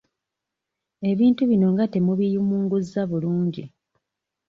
Ebintu bino nga temubiyumunguzza bulungi.